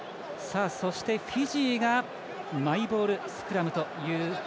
フィジーがマイボールスクラム。